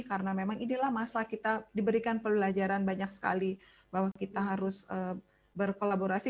karena memang inilah masa kita diberikan pelajaran banyak sekali bahwa kita harus berkolaborasi